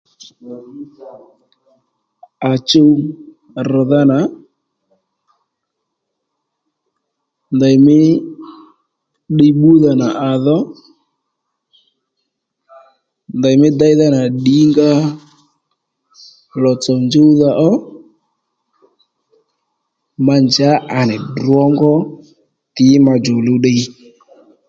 À chuw rr̀dha nà ndèymí ddiy bbúdha nà àdho ndèymí déydha nà ddǐngǎ lòtsò njúwdha ó ma njǎ à nì drǒngó tǐ ma djòluw ddiy